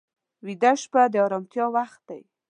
ویده شپه د ارامتیا وخت وي